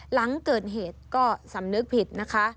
หลังเกิดเหตุก็สำนึกผิดนะคะ